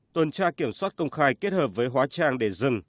tuần tra kiểm soát công khai kết hợp với hóa trang để rừng